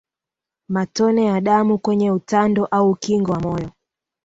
Matone ya damu kwenye utando au ukingo wa moyo